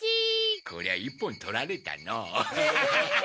こりゃ１本取られたのう。